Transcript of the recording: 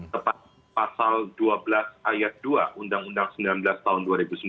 tepat pasal dua belas ayat dua undang undang sembilan belas tahun dua ribu sembilan belas